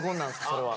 それは。